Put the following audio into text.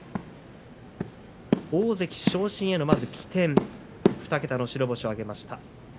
大関昇進へのまず起点２桁の白星を挙げました。